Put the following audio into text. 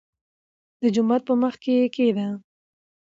دجومات په مخکې يې کېږدۍ.